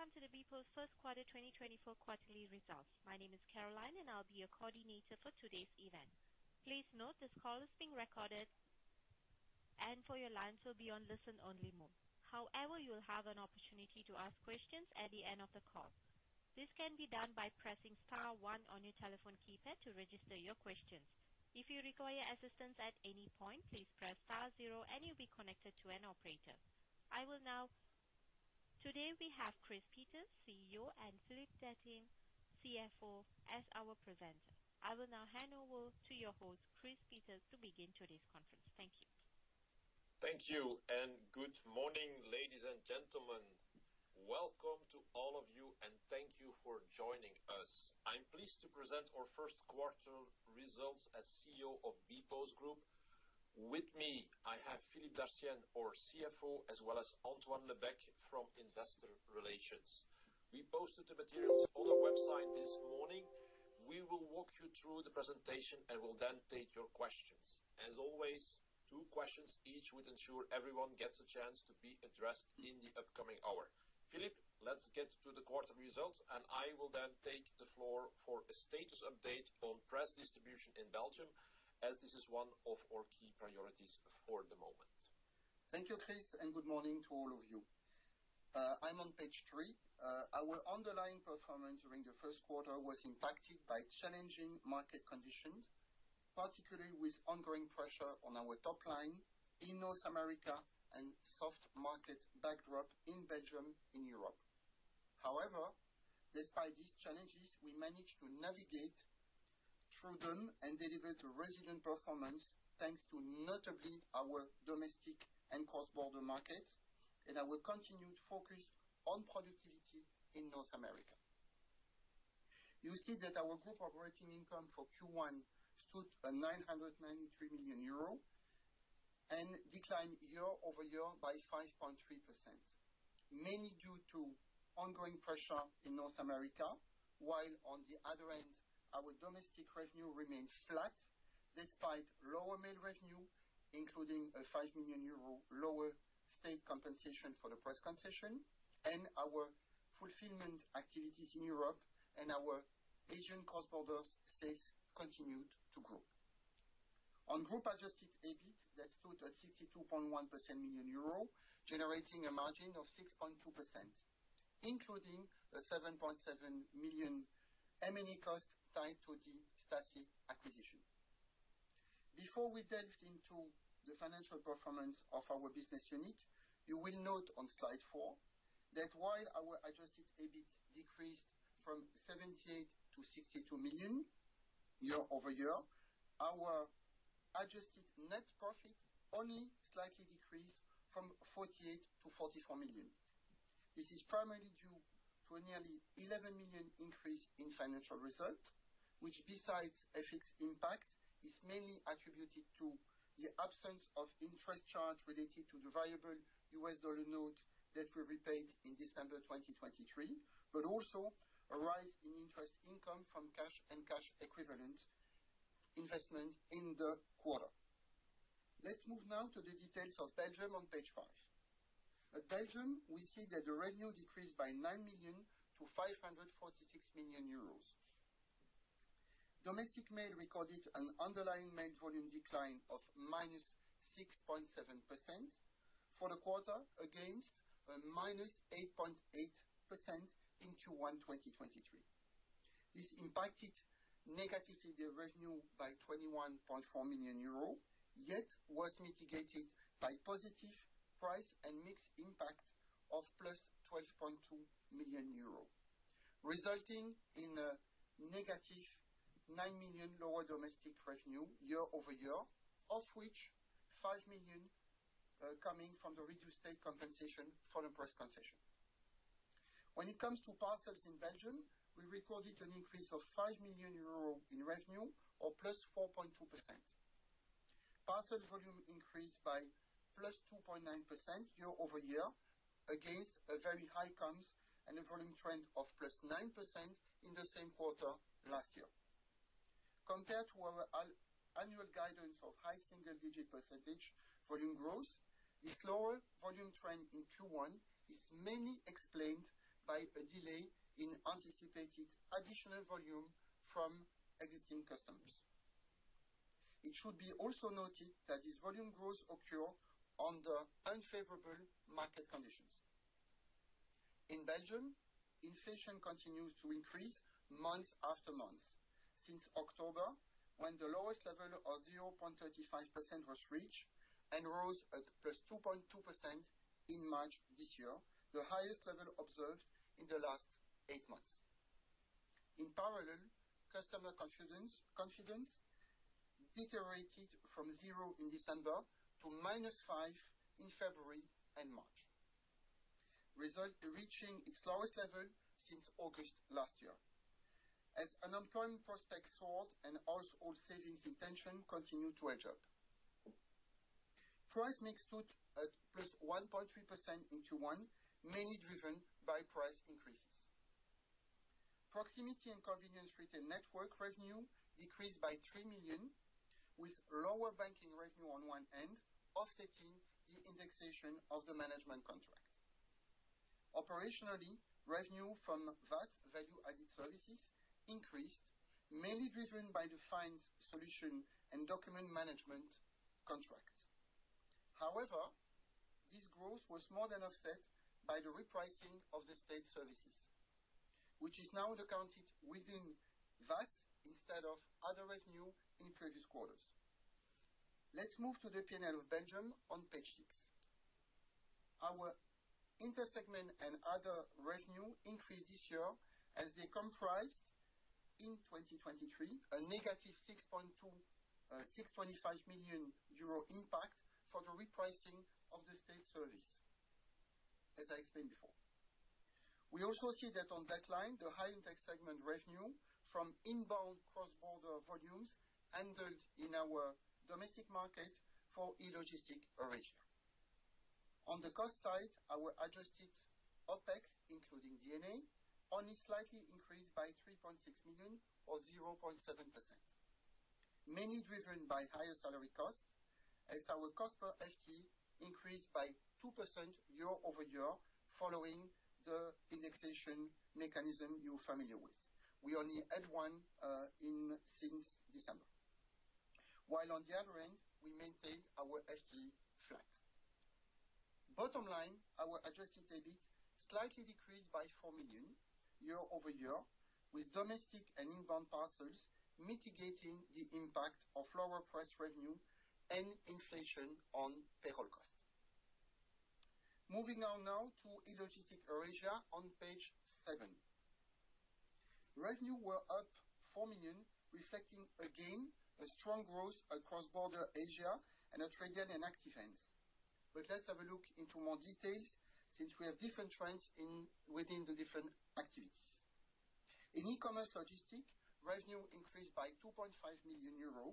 Hello, and welcome to the bpost first quarter 2024 quarterly results. My name is Caroline, and I'll be your coordinator for today's event. Please note this call is being recorded, and for your lines will be on listen only mode. However, you'll have an opportunity to ask questions at the end of the call. This can be done by pressing star one on your telephone keypad to register your questions. If you require assistance at any point, please press star zero and you'll be connected to an operator. I will now... Today, we have Chris Peeters, CEO, and Philippe Dartienne, CFO, as our presenter. I will now hand over to your host, Chris Peeters, to begin today's conference. Thank you. Thank you, and good morning, ladies and gentlemen. Welcome to all of you, and thank you for joining us. I'm pleased to present our first quarter results as CEO of bpostgroup. With me, I have Philippe Dartienne, our CFO, as well as Antoine Lebecq from Investor Relations. We posted the materials on our website this morning. We will walk you through the presentation and will then take your questions. As always, two questions each would ensure everyone gets a chance to be addressed in the upcoming hour. Philippe, let's get to the quarter results, and I will then take the floor for a status update on press distribution in Belgium, as this is one of our key priorities for the moment. Thank you, Chris, and good morning to all of you. I'm on page three. Our underlying performance during the first quarter was impacted by challenging market conditions, particularly with ongoing pressure on our top line in North America and soft market backdrop in Belgium, in Europe. However, despite these challenges, we managed to navigate through them and deliver a resilient performance, thanks to notably our domestic and cross-border markets, and our continued focus on productivity in North America. You see that our group operating income for Q1 stood at 993 million euro, and declined year-over-year by 5.3%, mainly due to ongoing pressure in North America. While on the other end, our domestic revenue remained flat, despite lower mail revenue, including a 5 million euro lower state compensation for the press concession and our fulfillment activities in Europe and our Asian cross-border sales continued to grow. On group adjusted EBIT, that stood at 62.1 million euro, generating a margin of 6.2%, including a 7.7 million M&A cost tied to the Staci acquisition. Before we delved into the financial performance of our business unit, you will note on slide 4, that while our adjusted EBIT decreased from 78 million to 62 million year-over-year, our adjusted net profit only slightly decreased from 48 million to 44 million. This is primarily due to a nearly 11 million increase in financial result, which besides FX impact, is mainly attributed to the absence of interest charge related to the variable U.S. dollar note that we repaid in December 2023, but also a rise in interest income from cash and cash equivalent investment in the quarter. Let's move now to the details of Belgium on page 5. At Belgium, we see that the revenue decreased by 9 million to 546 million euros. Domestic mail recorded an underlying mail volume decline of -6.7% for the quarter, against a -8.8% in Q1 2023. This impacted negatively the revenue by 21.4 million euro, yet was mitigated by positive price and mix impact of +12.2 million euros, resulting in a negative 9 million lower domestic revenue year-over-year, of which 5 million coming from the reduced state compensation for the price concession. When it comes to parcels in Belgium, we recorded an increase of 5 million euros in revenue, or +4.2%. Parcel volume increased by +2.9% year-over-year against a very high comps and a volume trend of +9% in the same quarter last year. Compared to our annual guidance of high single digit percentage volume growth, this lower volume trend in Q1 is mainly explained by a delay in anticipated additional volume from existing customers. It should be also noted that this volume growth occur under unfavorable market conditions. In Belgium, inflation continues to increase month after month. Since October, when the lowest level of 0.35% was reached and rose at +2.2% in March this year, the highest level observed in the last eight months. In parallel, customer confidence deteriorated from 0 in December to -5 in February and March, result reaching its lowest level since August last year, as unemployment prospects soared and household savings intention continued to edge up. Price mix stood at +1.3% in Q1, mainly driven by parcel-... Proximity and convenience retail network revenue decreased by 3 million, with lower banking revenue on one end, offsetting the indexation of the management contract. Operationally, revenue from VAS value-added services increased, mainly driven by the fines solution and document management contract. However, this growth was more than offset by the repricing of the state services, which is now accounted within VAS, instead of other revenue in previous quarters. Let's move to the P&L of Belgium on page 6. Our intersegment and other revenue increased this year as they comprised, in 2023, a negative 6.25 million euro impact for the repricing of the state service, as I explained before. We also see that on that line, the high-impact segment revenue from inbound cross-border volumes handled in our domestic market for E-Logistics Eurasia. On the cost side, our adjusted OpEx, including D&A, only slightly increased by 3.6 million or 0.7%, mainly driven by higher salary costs, as our cost per FTE increased by 2% year-over-year following the indexation mechanism you're familiar with. We only had one in since December. While on the other end, we maintained our FTE flat. Bottom line, our adjusted EBIT slightly decreased by 4 million year-over-year, with domestic and inbound parcels mitigating the impact of lower press revenue and inflation on payroll cost. Moving on now to E-Logistics Eurasia on page 7. Revenue were up 4 million, reflecting again a strong growth at cross-border Asia and at Radial and Active Ants. But let's have a look into more details since we have different trends in within the different activities. In e-commerce logistics, revenue increased by 2.5 million euro.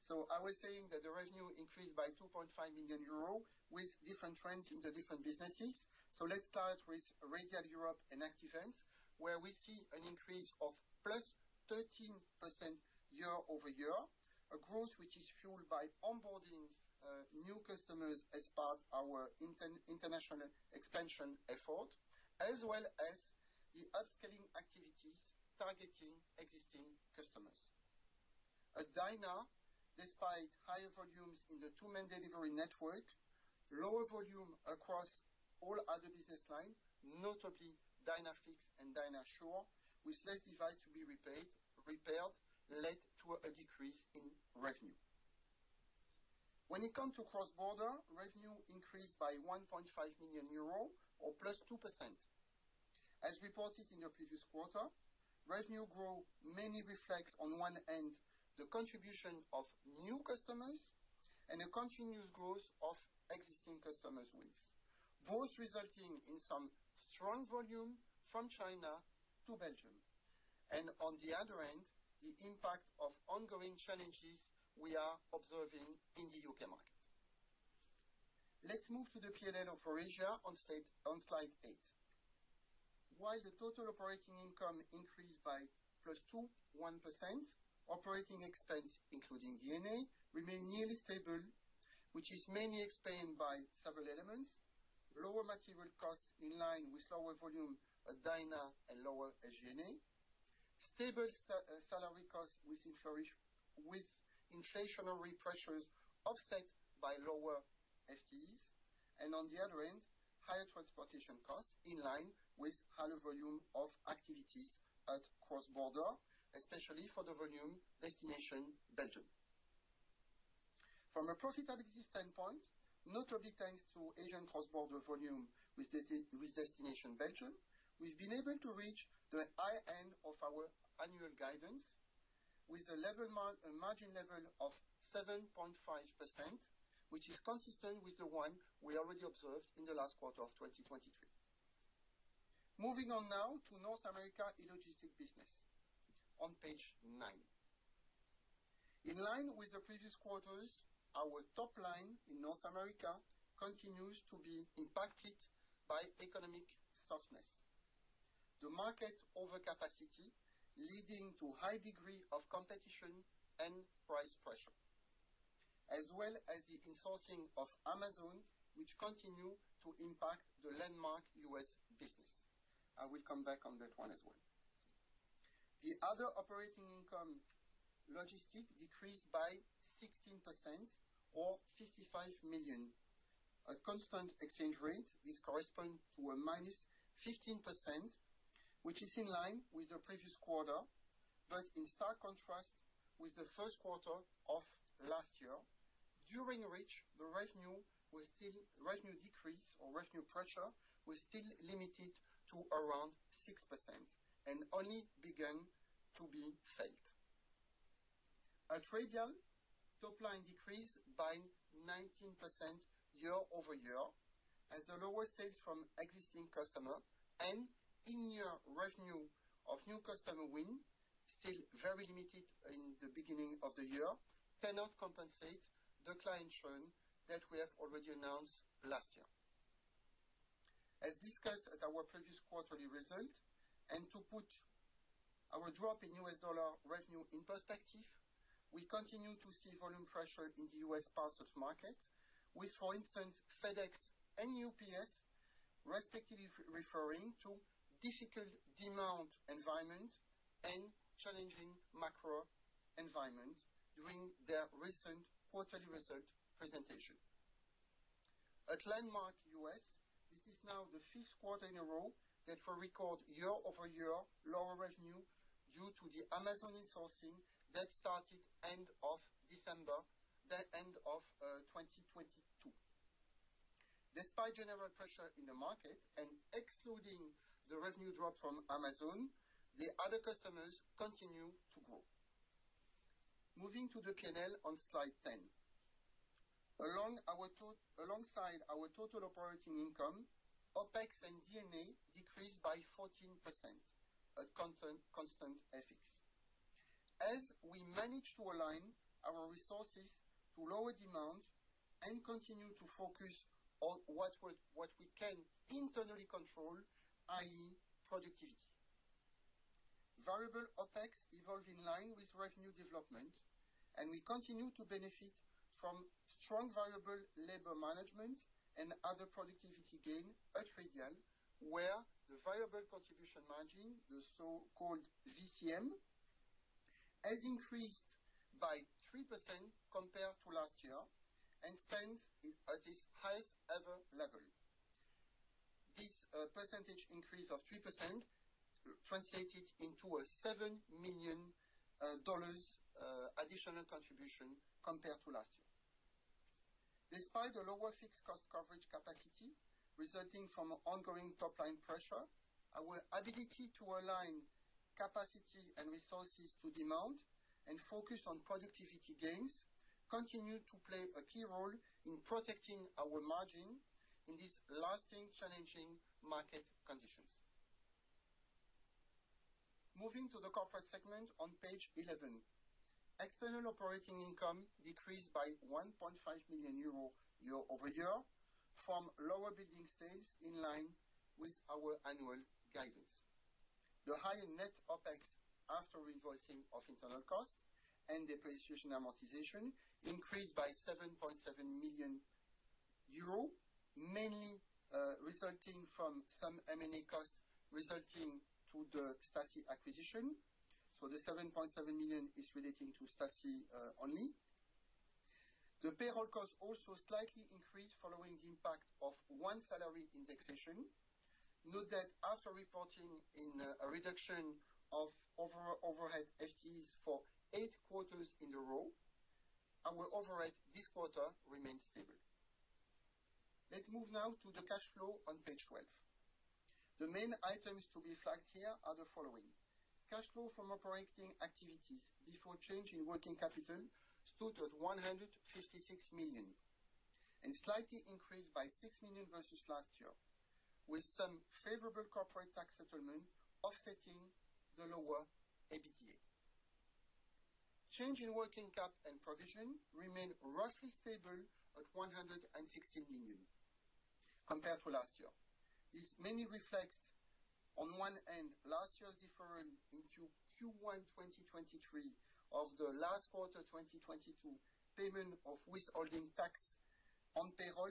So I was saying that the revenue increased by 2.5 million euro with different trends in the different businesses. So let's start with Radial Europe and Active Ants, where we see an increase of +13% year-over-year, a growth which is fueled by onboarding new customers as part of our international expansion effort, as well as the upscaling activities targeting existing customers. At Dynam, despite higher volumes in the two-man delivery network, lower volume across all other business line, notably DynaFix and DynaSure, with less device to be repaired, led to a decrease in revenue. When it comes to cross-border, revenue increased by 1.5 million euro or +2%. As reported in the previous quarter, revenue growth mainly reflects on one end, the contribution of new customers and a continuous growth of existing customers with both resulting in some strong volume from China to Belgium, and on the other end, the impact of ongoing challenges we are observing in the U.K. market. Let's move to the P&L of Eurasia on-stage, on slide 8. While the total operating income increased by +2.1%, operating expense, including D&A, remained nearly stable, which is mainly explained by several elements: lower material costs, in line with lower volume at DynaLogic and lower SG&A, stable salary costs with inflationary pressures offset by lower FTEs, and on the other end, higher transportation costs in line with higher volume of activities at cross-border, especially for the volume destination Belgium. From a profitability standpoint, notably thanks to Asian cross-border volume with destination Belgium, we've been able to reach the high end of our annual guidance with a margin level of 7.5%, which is consistent with the one we already observed in the last quarter of 2023. Moving on now to North America e-logistics business on page 9. In line with the previous quarters, our top line in North America continues to be impacted by economic softness, the market overcapacity, leading to high degree of competition and price pressure, as well as the insourcing of Amazon, which continue to impact the Landmark US business. I will come back on that one as well. The other operating income logistics decreased by 16% or 55 million. At constant exchange rates corresponds to a -15%, which is in line with the previous quarter, but in stark contrast with the first quarter of last year, during which the revenue was still, revenue decrease or revenue pressure was still limited to around 6% and only began to be felt. At Radial, top line decreased by 19% year-over-year, as the lower sales from existing customer and in-year revenue of new customer win, still very limited in the beginning of the year, cannot compensate the client churn that we have already announced last year. As discussed at our previous quarterly result, and to put our drop in U.S. dollar revenue in perspective, we continue to see volume pressure in the U.S. parcels market with, for instance, FedEx and UPS respectively referring to difficult demand environment and challenging macro environment during their recent quarterly result presentation. At Landmark US, this is now the fifth quarter in a row that we record year-over-year lower revenue due to the Amazon insourcing that started end of December, the end of 2022. Despite general pressure in the market and excluding the revenue drop from Amazon, the other customers continue to grow. Moving to the P&L on slide 10. Alongside our total operating income, OpEx and D&A decreased by 14% at constant FX, as we managed to align our resources to lower demand and continue to focus on what we can internally control, i.e., productivity. Variable OpEx evolved in line with revenue development, and we continue to benefit from strong variable labor management and other productivity gain at Radial, where the variable contribution margin, the so-called VCM, has increased by 3% compared to last year and stands at its highest ever level. This percentage increase of 3% translated into a $7 million additional contribution compared to last year. Despite the lower fixed cost coverage capacity resulting from ongoing top line pressure, our ability to align capacity and resources to demand and focus on productivity gains continue to play a key role in protecting our margin in these lasting, challenging market conditions. Moving to the corporate segment on page 11, external operating income decreased by 1.5 million euro year-over-year from lower billing sales in line with our annual guidance. The higher net OpEx, after invoicing of internal costs and depreciation amortization, increased by 7.7 million euro, mainly resulting from some M&A costs resulting to the Staci acquisition, so the 7.7 million is relating to Staci only. The payroll cost also slightly increased following the impact of one salary indexation. Note that after reporting in a reduction of overhead FTEs for 8 quarters in a row, our overhead this quarter remains stable. Let's move now to the cash flow on page 12. The main items to be flagged here are the following: Cash flow from operating activities before change in working capital stood at 156 million, and slightly increased by 6 million versus last year, with some favorable corporate tax settlement offsetting the lower EBITDA. Change in working cap and provision remained roughly stable at 116 million compared to last year. This mainly reflects, on one end, last year's deferral into Q1 2023 of the last quarter 2022 payment of withholding tax on payroll,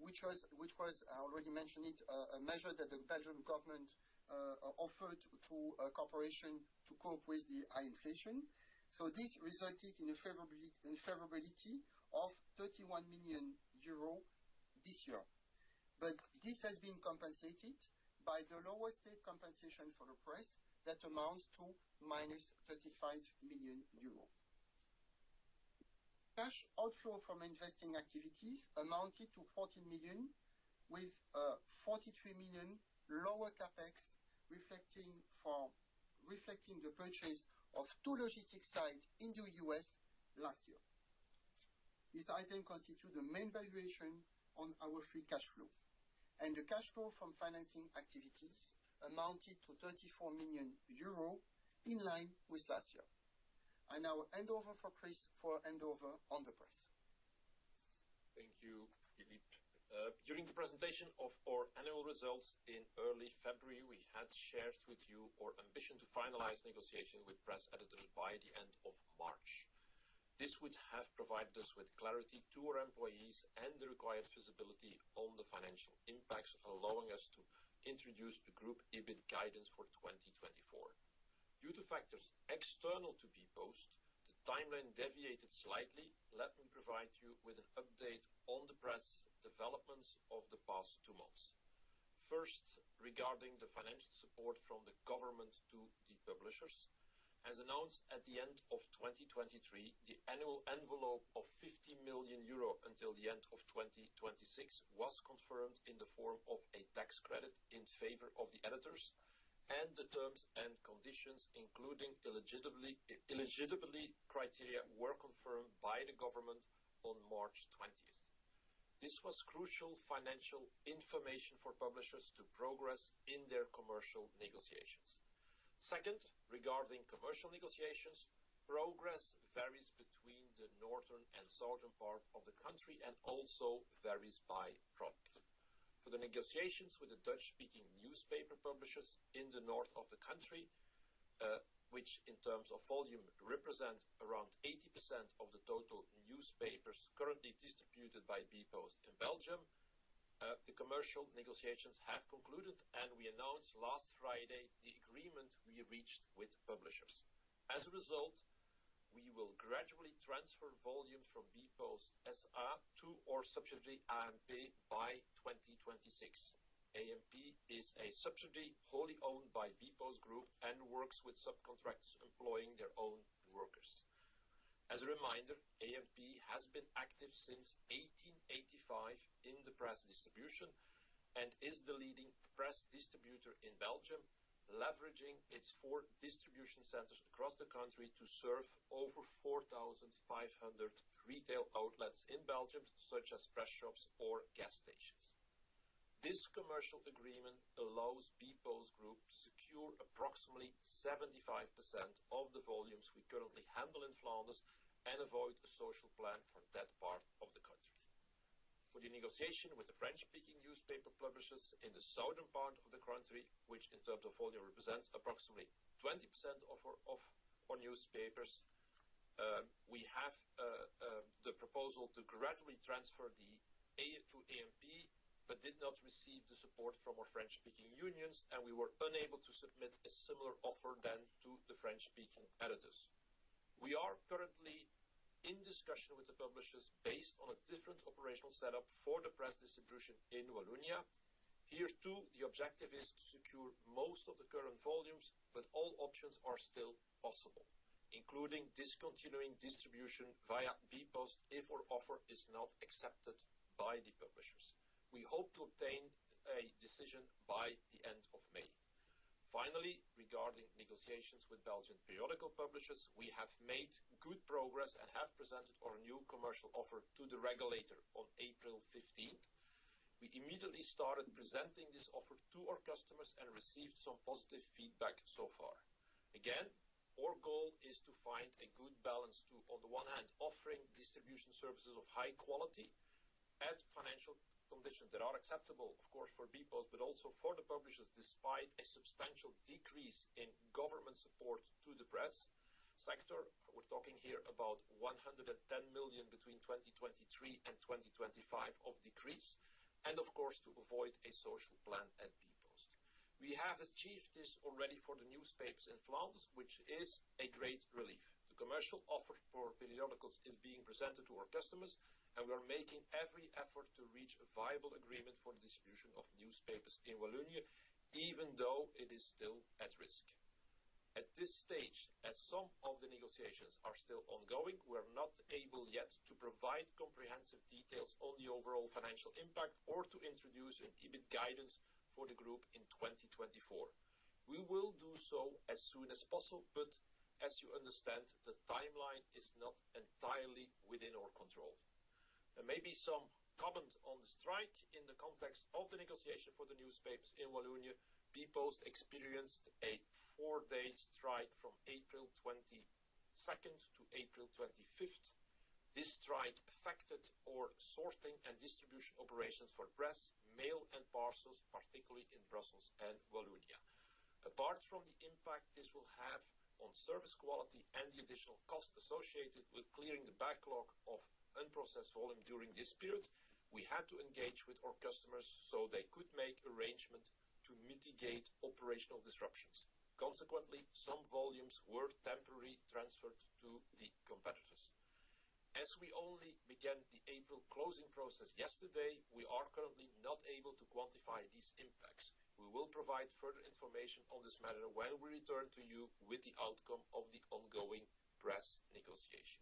which was, I already mentioned it, a measure that the Belgian government offered to a corporation to cope with the high inflation. So this resulted in a favorably, in favorability of 31 million euros this year. But this has been compensated by the lower state compensation for the press that amounts to -35 million euros. Cash outflow from investing activities amounted to 14 million, with 43 million lower CapEx, reflecting the purchase of two logistics site in the U.S. last year. This item constitutes the main valuation on our free cash flow, and the cash flow from financing activities amounted to 34 million euros, in line with last year. I now hand over for Chris, for handover on the press. Thank you, Philippe. During the presentation of our annual results in early February, we had shared with you our ambition to finalize negotiation with press editors by the end of March. This would have provided us with clarity to our employees and the required visibility on the financial impacts, allowing us to introduce the group EBIT guidance for 2024. Due to factors external to bpost, the timeline deviated slightly. Let me provide you with an update on the press developments of the past two months. First, regarding the financial support from the government to the publishers, as announced at the end of 2023, the annual envelope of 50 million euro until the end of 2026 was confirmed in the form of a tax credit in favor of the editors... and the terms and conditions, including eligibility criteria, were confirmed by the government on March twentieth. This was crucial financial information for publishers to progress in their commercial negotiations. Second, regarding commercial negotiations, progress varies between the northern and southern part of the country, and also varies by product. For the negotiations with the Dutch-speaking newspaper publishers in the north of the country, which in terms of volume, represent around 80% of the total newspapers currently distributed by bpost in Belgium, the commercial negotiations have concluded, and we announced last Friday the agreement we reached with publishers. As a result, we will gradually transfer volumes from bpost SA to our subsidiary, AMP, by 2026. AMP is a subsidiary wholly owned by bpostgroup and works with subcontractors employing their own workers. As a reminder, AMP has been active since 1885 in the press distribution, and is the leading press distributor in Belgium, leveraging its four distribution centers across the country to serve over 4,500 retail outlets in Belgium, such as press shops or gas stations. This commercial agreement allows bpostgroup to secure approximately 75% of the volumes we currently handle in Flanders, and avoid a social plan for that part of the country. For the negotiation with the French-speaking newspaper publishers in the southern part of the country, which, in terms of volume, represents approximately 20% of our newspapers, we have the proposal to gradually transfer the A to AMP, but did not receive the support from our French-speaking unions, and we were unable to submit a similar offer then to the French-speaking editors. We are currently in discussion with the publishers based on a different operational setup for the press distribution in Wallonia. Here, too, the objective is to secure most of the current volumes, but all options are still possible, including discontinuing distribution via bpost if our offer is not accepted by the publishers. We hope to obtain a decision by the end of May. Finally, regarding negotiations with Belgian periodical publishers, we have made good progress and have presented our new commercial offer to the regulator on April 15. We immediately started presenting this offer to our customers and received some positive feedback so far. Again, our goal is to find a good balance to, on the one hand, offering distribution services of high quality at financial conditions that are acceptable, of course, for bpost, but also for the publishers, despite a substantial decrease in government support to the press sector. We're talking here about 110 million between 2023 and 2025 of decrease, and of course, to avoid a social plan at bpost. We have achieved this already for the newspapers in Flanders, which is a great relief. The commercial offer for periodicals is being presented to our customers, and we are making every effort to reach a viable agreement for the distribution of newspapers in Wallonia, even though it is still at risk. At this stage, as some of the negotiations are still ongoing, we are not able yet to provide comprehensive details on the overall financial impact or to introduce an EBIT guidance for the group in 2024. We will do so as soon as possible, but as you understand, the timeline is not entirely within our control. There may be some comment on the strike. In the context of the negotiation for the newspapers in Wallonia, bpost experienced a 4-day strike from April twenty-second to April twenty-fifth. This strike affected our sorting and distribution operations for press, mail, and parcels, particularly in Brussels and Wallonia. Apart from the impact this will have on service quality and the additional cost associated with clearing the backlog of unprocessed volume during this period, we had to engage with our customers so they could make arrangements to mitigate operational disruptions. Consequently, some volumes were temporarily transferred to the competitors. As we only began the April closing process yesterday, we are currently not able to quantify these impacts. We will provide further information on this matter when we return to you with the outcome of the ongoing press negotiation.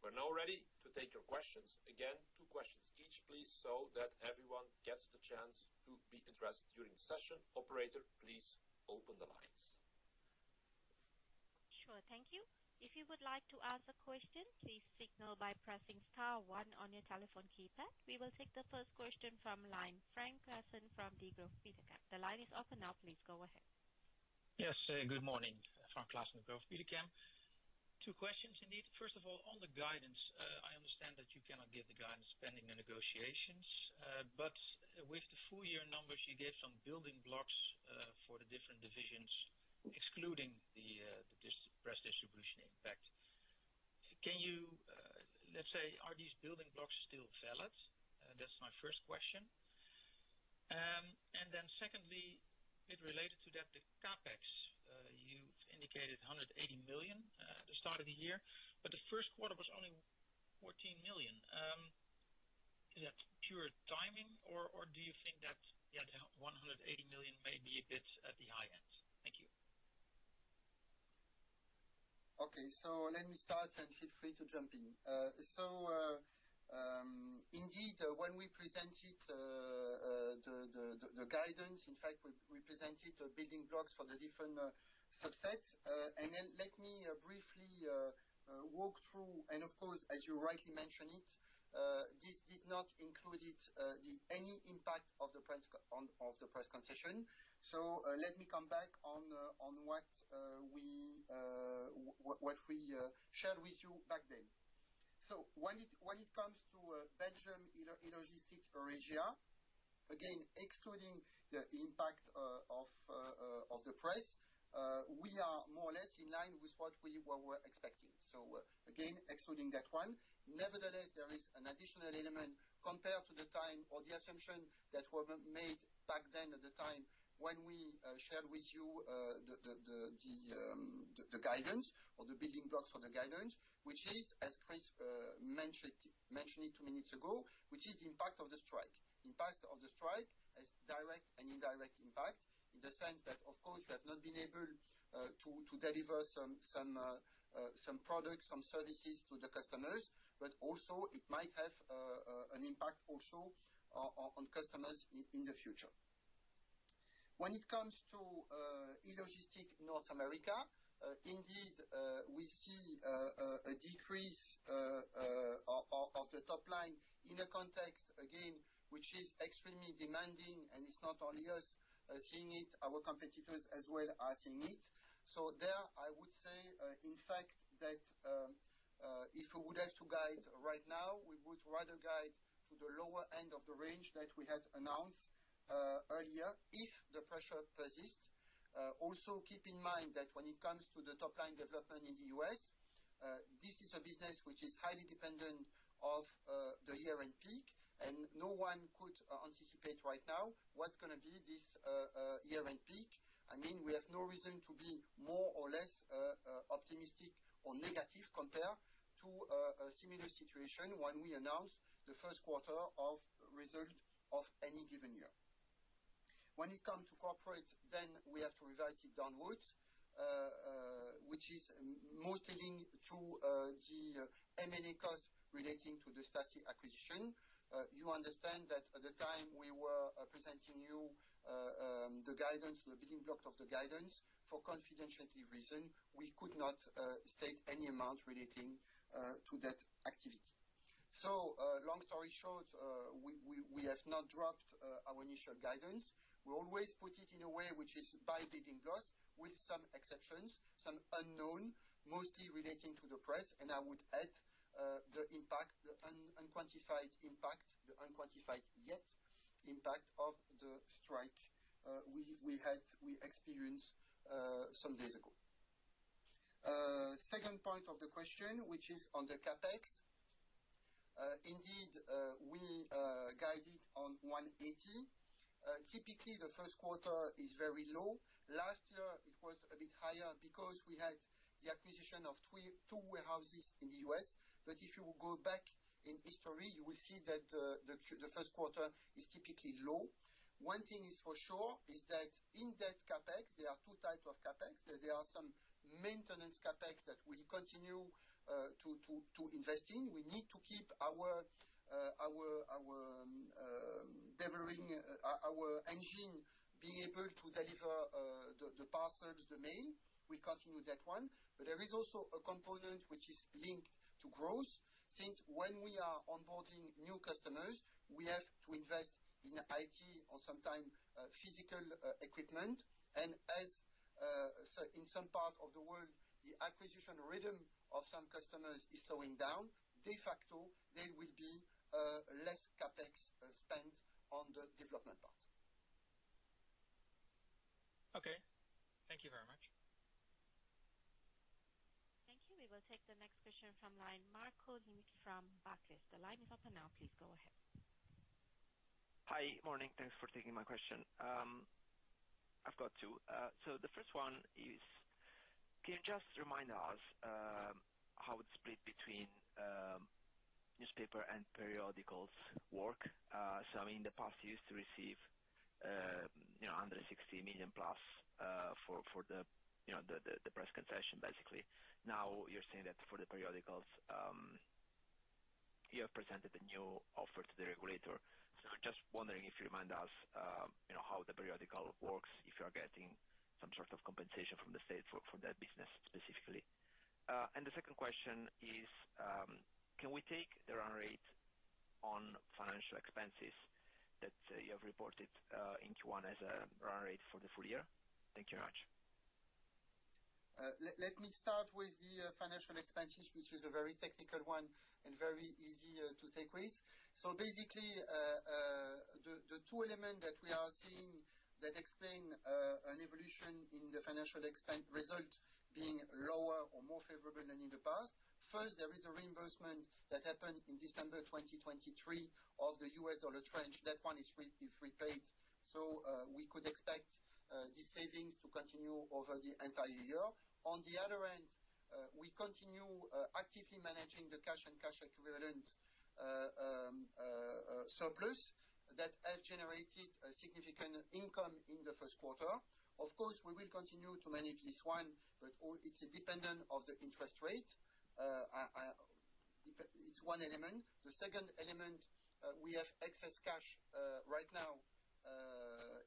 We're now ready to take your questions. Again, two questions each, please, so that everyone gets the chance to be addressed during the session. Operator, please open the lines. Sure. Thank you. If you would like to ask a question, please signal by pressing star one on your telephone keypad. We will take the first question from line. Frank Claassen from Degroof Petercam. The line is open now. Please go ahead. Yes, good morning. Frank Claassen, Degroof Petercam. Two questions indeed. First of all, on the guidance, I understand that you cannot give the guidance pending the negotiations, but with the full year numbers, you gave some building blocks for the different divisions, excluding the press distribution impact. Can you... Let's say, are these building blocks still valid? That's my first question. And then secondly, it related to that, the CapEx. You indicated 180 million at the start of the year, but the first quarter was only 14 million. Is that pure timing, or do you think that, yeah, the 180 million may be a bit at the high end? Thank you.... Okay, so let me start, and feel free to jump in. So, indeed, when we presented the guidance, in fact, we presented the building blocks for the different subsets. And then let me briefly walk through, and of course, as you rightly mention it, this did not include any impact of the price of the price concession. So, let me come back on what we shared with you back then. So when it comes to Belgium e-logistics or Asia, again, excluding the impact of the price, we are more or less in line with what we were expecting, so, again, excluding that one. Nevertheless, there is an additional element compared to the time or the assumption that were made back then at the time when we shared with you the guidance or the building blocks for the guidance, which is, as Chris mentioned it two minutes ago, which is the impact of the strike. Impact of the strike has direct and indirect impact, in the sense that, of course, we have not been able to deliver some products, some services to the customers, but also it might have an impact also on customers in the future. When it comes to e-logistics North America, indeed, we see a decrease of the top line in a context, again, which is extremely demanding, and it's not only us seeing it, our competitors as well are seeing it. So there, I would say, in fact, that if we would have to guide right now, we would rather guide to the lower end of the range that we had announced earlier, if the pressure persists. Also, keep in mind that when it comes to the top-line development in the U.S., this is a business which is highly dependent of the year-end peak, and no one could anticipate right now what's gonna be this year-end peak. I mean, we have no reason to be more or less optimistic or negative compared to a similar situation when we announce the first quarter results of any given year. When it comes to corporate, then we have to revise it downwards, which is mostly to the M&A cost relating to the Staci acquisition. You understand that at the time we were presenting you the guidance, the building blocks of the guidance, for confidentiality reasons, we could not state any amount relating to that activity. So, long story short, we have not dropped our initial guidance. We always put it in a way which is by building blocks, with some exceptions, some unknown, mostly relating to the price, and I would add the impact, the unquantified impact, the unquantified yet impact of the strike we had, we experienced some days ago. Second point of the question, which is on the CapEx, indeed we guided on 180 million. Typically, the first quarter is very low. Last year it was a bit higher because we had the acquisition of 32 warehouses in the US, but if you go back in history, you will see that the first quarter is typically low. One thing is for sure, is that in that CapEx, there are two types of CapEx. There are some maintenance CapEx that we continue to invest in. We need to keep our delivering our engine being able to deliver the parcels, the mail. We continue that one. But there is also a component which is linked to growth, since when we are onboarding new customers, we have to invest in IT or sometimes physical equipment. And so in some parts of the world, the acquisition rhythm of some customers is slowing down; de facto, there will be less CapEx spent on the development part. Okay, thank you very much. Thank you. We will take the next question from line, Marco Limite from Barclays. The line is open now, please go ahead. Hi. Morning. Thanks for taking my question. I've got two. So the first one is, can you just remind us, how it's split between, newspaper and periodicals work? So in the past, you used to receive, you know, under 60 million plus, for, for the, you know, the, the, the press concession, basically. Now, you're saying that for the periodicals, you have presented a new offer to the regulator. So just wondering if you remind us, you know, how the periodical works, if you are getting some sort of compensation from the state for, for that business specifically? And the second question is: Can we take the run rate on financial expenses that, you have reported, in Q1 as a run rate for the full year? Thank you very much. Let me start with the financial expenses, which is a very technical one and very easy to take risk. So basically, the two elements that we are seeing that explain an evolution in the financial expense result being lower or more favorable than in the past. First, there is a reimbursement that happened in December 2023 of the U.S. dollar tranche. That one is repaid, so we could expect these savings to continue over the entire year. On the other end, we continue actively managing the cash and cash equivalents surplus that has generated a significant income in the first quarter. Of course, we will continue to manage this one, but it's dependent on the interest rate. It, it's one element. The second element, we have excess cash, right now,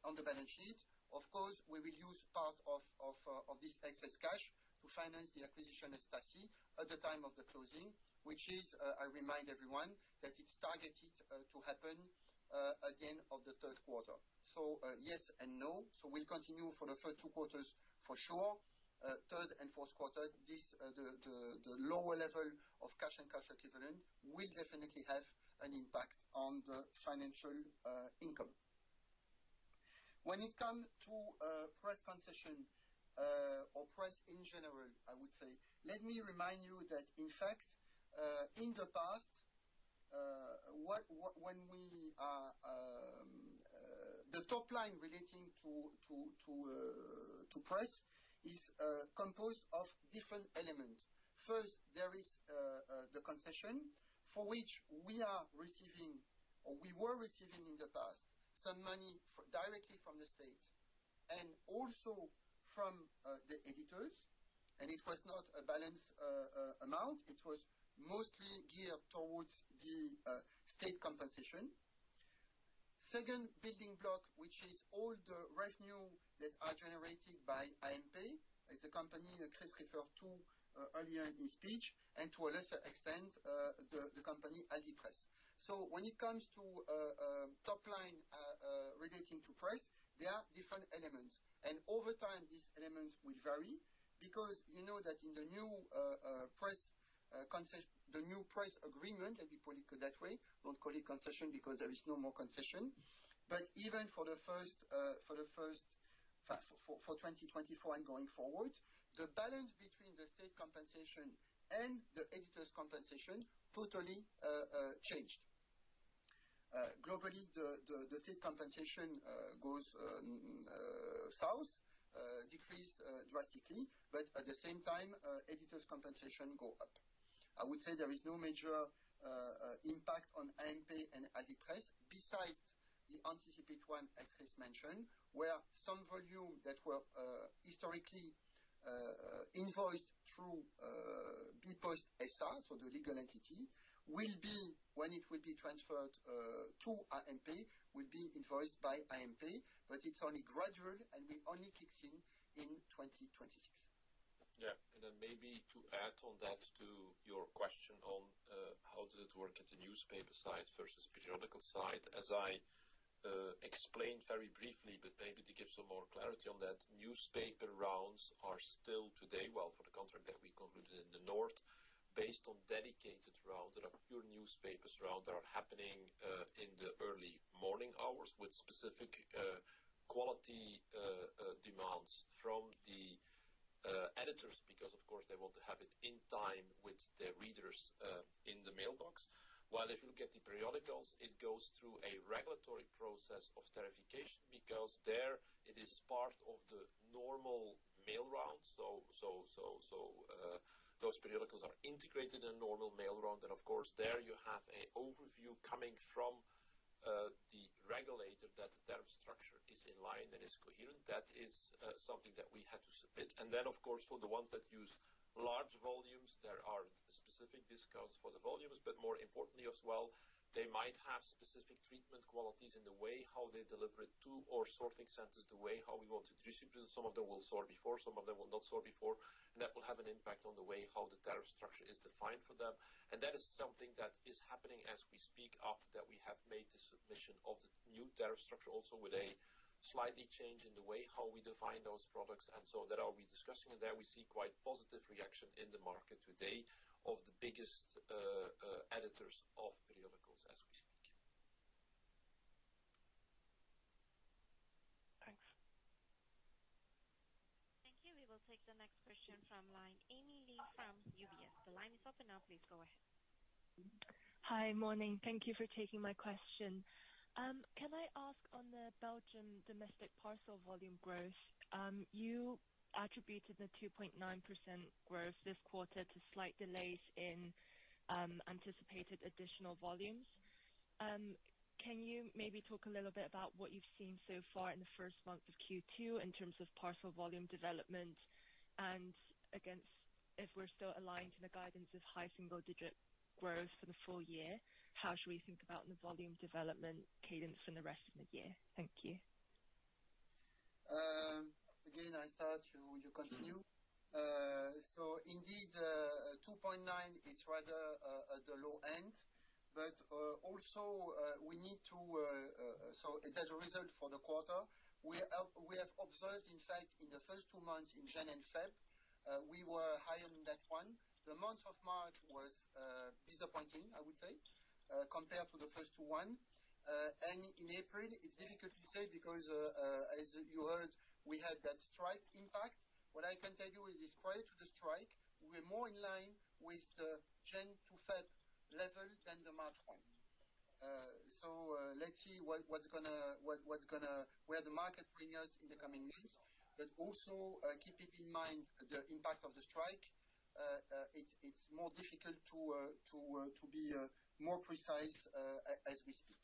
on the balance sheet. Of course, we will use part of this excess cash to finance the acquisition of Staci at the time of the closing, which is, I remind everyone, that it's targeted to happen at the end of the third quarter. So, yes and no. So we'll continue for the first two quarters for sure. Third and fourth quarter, the lower level of cash and cash equivalent will definitely have an impact on the financial income. When it come to press concession, or press in general, I would say, let me remind you that, in fact, in the past, when we are... The top line relating to press is composed of different elements. First, there is the concession, for which we are receiving, or we were receiving in the past, some money for directly from the state and also from the editors, and it was not a balanced amount. It was mostly geared towards the state compensation. Second building block, which is all the revenue that are generated by AMP, it's a company that Chris referred to earlier in his speech, and to a lesser extent, the company, Aldipress. So when it comes to top line relating to price, there are different elements, and over time, these elements will vary. Because you know that in the new press agreement, let me put it that way, don't call it concession, because there is no more concession. But even for the first for 2024 and going forward, the balance between the state compensation and the editors' compensation totally changed. Globally, the state compensation goes south, decreased drastically, but at the same time, editors' compensation go up. I would say there is no major impact on INP and Aldipress, besides the anticipated one, as Chris mentioned, where some volume that were historically invoiced through bpost SA, so the legal entity, will be, when it will be transferred to INP, will be invoiced by INP, but it's only gradual, and it only kicks in in 2026. Yeah. And then maybe to add on that, to your question on how does it work at the newspaper side versus periodical side? As I explained very briefly, but maybe to give some more clarity on that, newspaper rounds are still today, well, for the contract that we concluded in the north, based on dedicated routes. There are pure newspapers route that are happening in the early morning hours with specific quality demands from the editors, because, of course, they want to have it in time with their readers in the mailbox. While if you look at the periodicals, it goes through a regulatory process of tariffication, because there it is part of the normal mail route. Those periodicals are integrated in normal mail route, and of course, there, you have an overview coming from the regulator that their structure is in line and is coherent. That is something that we had to submit. And then, of course, for the ones that use large volumes, there are specific discounts for the volumes, but more importantly, as well, they might have specific treatment qualities in the way how they deliver it to our sorting centers, the way how we want to distribute it. Some of them will sort before, some of them will not sort before, and that will have an impact on the way how the tariff structure is defined for them, and that is something that is happening as we speak, after that we have made the submission of the new tariff structure, also with a slightly change in the way how we define those products. And so that are we discussing, and there, we see quite positive reaction in the market today of the biggest editors of periodicals as we speak. Thanks. Thank you. We will take the next question from line, Amy Lee from UBS. The line is open now. Please go ahead. Hi. Morning. Thank you for taking my question. Can I ask on the Belgium domestic parcel volume growth, you attributed the 2.9% growth this quarter to slight delays in anticipated additional volumes. Can you maybe talk a little bit about what you've seen so far in the first month of Q2 in terms of parcel volume development? And against, if we're still aligned to the guidance of high single-digit growth for the full year, how should we think about the volume development cadence for the rest of the year? Thank you. Again, I start, and will you continue? So indeed, two point nine is rather at the low end, but also, we need to... So as a result for the quarter, we have, we have observed, in fact, in the first two months, in January and February, we were higher than that one. The month of March was disappointing, I would say, compared to the first one. And in April, it's difficult to say because as you heard, we had that strike impact. What I can tell you is, prior to the strike, we're more in line with the January to February level than the March one. So let's see what, what's gonna, what- what's gonna, where the market bring us in the coming months. But also, keeping in mind the impact of the strike, it's more difficult to be more precise as we speak.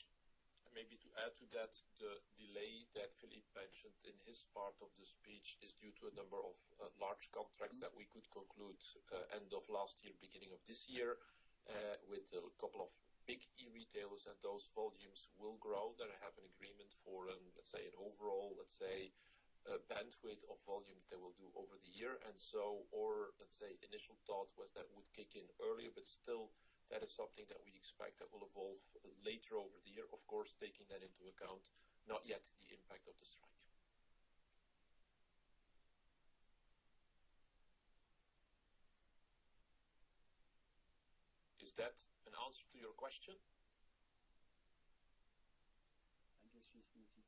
Maybe to add to that, the delay that Philippe mentioned in his part of the speech is due to a number of large contracts- Mm. that we could conclude, end of last year, beginning of this year, with a couple of big e-retailers, and those volumes will grow. They have an agreement for, let's say, an overall, let's say, bandwidth of volume they will do over the year. And so, or let's say, initial thought was that would kick in earlier, but still, that is something that we expect that will evolve later over the year. Of course, taking that into account, not yet the impact of the strike. Is that an answer to your question? I guess she's muted.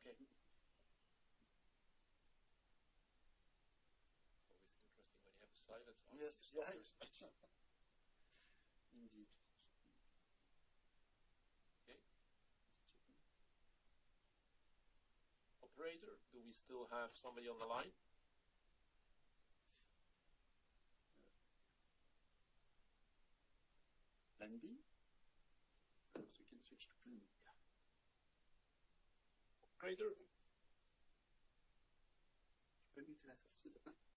Okay. Always interesting when you have a silence on the line. Yes. Yeah. Indeed. Okay. Operator, do we still have somebody on the line? Plan B. So we can switch to Plan B. Yeah. Operator? Maybe to ask her to see the plan.